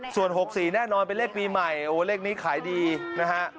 ส่วน๖๔แน่นอนเป็นเลขปีใหม่โอ้เลขนี้ขายดีนะฮะ